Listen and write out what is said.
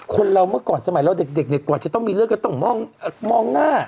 คนเราเมื่อก่อนสมัยเราเด็กเนี่ยกว่าจะต้องมีเรื่องก็ต้องมองหน้า